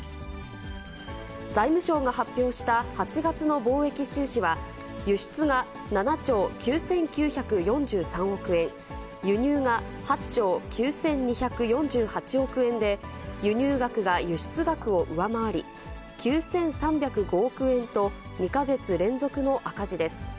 財務省が発表した８月の貿易収支は、輸出が７兆９９４３億円、輸入が８兆９２４８億円で、輸入額が輸出額を上回り、９３０５億円と２か月連続の赤字です。